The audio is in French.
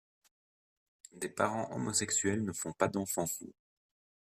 Des parents homosexuels ne font pas d'enfants fous.